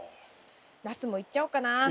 ナスもいっちゃおうかな。